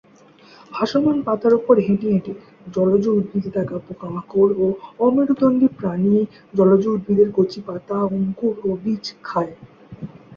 ভাসমান পাতার ওপর হেঁটে হেঁটে জলজ উদ্ভিদে থাকা পোকা-মাকড় ও অমেরুদণ্ডী প্রাণী, জলজ উদ্ভিদের কচি পাতা, অঙ্কুর ও বীজ খায়।